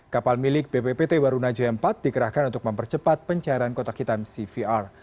kapal milik bppt barunajaya empat dikerahkan untuk mempercepat pencairan kotak hitam cvr